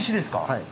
はい。